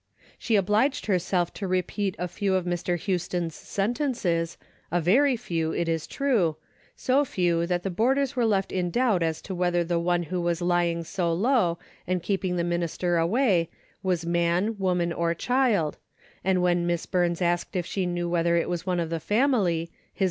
She obliged herself to repeat a few of Mr. Houston's sentences, a very few it is true, so few that the boarders were left in doubt as to whether the one who was lying so low and keeping the minister away was man, woman or child, and when Miss Burns asked if she knew whether it was one of the family, his A DAILY BATE.